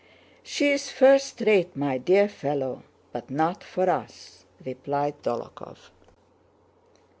"She's first rate, my dear fellow, but not for us," replied Dólokhov.